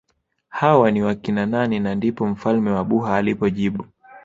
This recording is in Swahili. Hawa ni wakina nani na ndipo mfalme wa Buha alipojibu